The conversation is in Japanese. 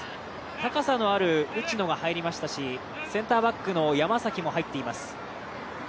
高さのある内野が入りましたしセンターバックの山崎も入っています。